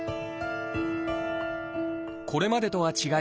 これまでとは違い